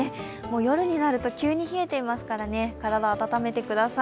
夜になると急に冷えていますから体、温めてください。